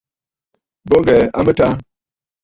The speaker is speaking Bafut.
Bo ghɛɛ a mɨtaa.